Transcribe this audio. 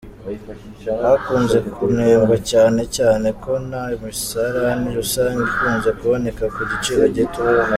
Hakunze kunengwa cyane cyane ko nta misarane rusange ikunze kuboneka ku giciro gito.